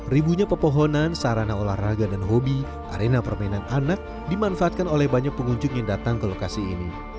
ribunya pepohonan sarana olahraga dan hobi arena permainan anak dimanfaatkan oleh banyak pengunjung yang datang ke lokasi ini